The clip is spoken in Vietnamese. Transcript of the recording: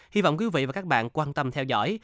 hy vọng quý vị và các bạn quan tâm theo dõi